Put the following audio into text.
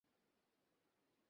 আমরা কি যেতে পারি?